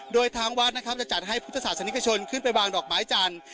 โดยทางวัดจะจัดให้ภูนิศสัตว์สนิกชนขึ้นไปวางดอกไม้จันทร์